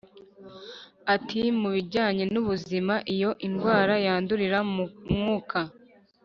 Ati "Mu bijyanye n'ubuzima, iyo indwara yandurira mu mwuka